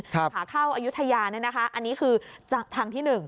หาเข้าอายุทยาอันนี้คือทางที่๑